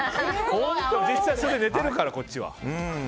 実際にそれで寝てたからさこっちは。